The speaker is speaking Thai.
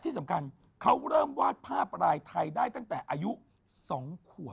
ที่สำคัญเขาเริ่มวาดภาพรายไทยได้ตั้งแต่อายุ๒ขวบ